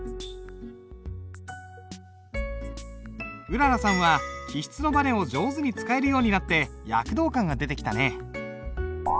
うららさんは起筆のばねを上手に使えるようになって躍動感が出てきたね。